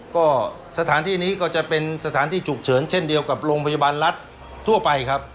ก็สถานที่นี้ก็จะเป็นสถานที่ฉุกเฉินเช่นเดียวกับโรงพยาบาลรัฐทั่วไปครับ